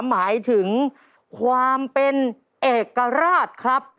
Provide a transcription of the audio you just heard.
หมายถึงความเป็นเอกราชครับ